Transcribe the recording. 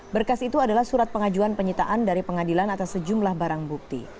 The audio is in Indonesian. berkas itu adalah surat pengajuan penyitaan dari pengadilan atas sejumlah barang bukti